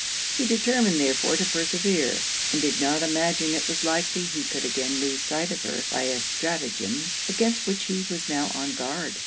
He determined therefore to persevere; and did not imagine it was likely he could again lose sight of her by a stratagem, against which he was now on his guard.